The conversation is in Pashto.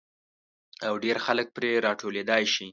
او ډېر خلک پرې را ټولېدای شي.